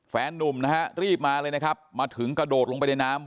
นุ่มนะฮะรีบมาเลยนะครับมาถึงกระโดดลงไปในน้ำ